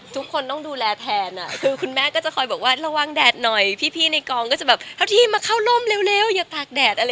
ทุกคนต้องดูแลแทนคือคุณแม่ก็จะคอยบอกว่าระวังแดดหน่อยพี่ในกองก็จะแบบเท่าที่มาเข้าร่มเร็วอย่าตากแดดอะไร